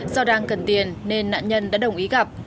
do đang cần tiền nên nạn nhân đã đồng ý gặp